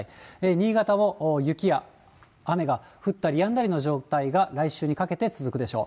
新潟も雪や雨が降ったりやんだりの状態が来週にかけて続くでしょう。